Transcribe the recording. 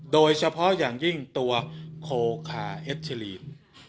โดยเฉพาะอย่างยิ่งตัวโคคาเอสทีลีน